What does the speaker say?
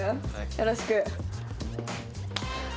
よろしく。